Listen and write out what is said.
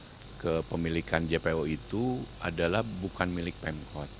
tetapi kepemilikan atau kepemilikan jpo itu adalah bukan milik pemkot